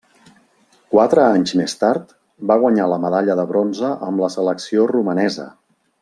Quatre anys més tard, va guanyar la medalla de bronze amb la selecció romanesa.